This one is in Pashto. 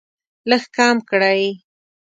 لږ کم کړئ